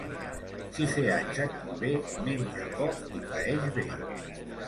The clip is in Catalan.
Si fer anys et convé, menja poc i paeix bé.